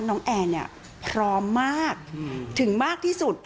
น้องแอนพร้อมมากถึงมากที่สุด